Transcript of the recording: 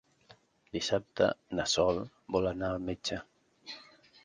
Dissabte na Sol vol anar al metge.